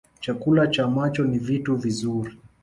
Chakula cha macho ni vitu vizuri